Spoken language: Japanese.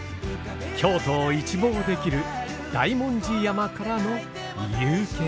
京都を一望できる大文字山からの夕景です。